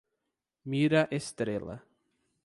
Mira Estrela